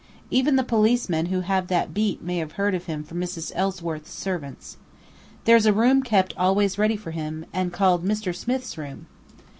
Even the policemen who have that beat may have heard of him from Mrs. Ellsworth's servants. There's a room kept always ready for him, and called 'Mr. Smith's room.'"